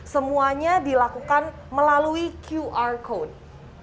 semuanya dilakukan melalui qr code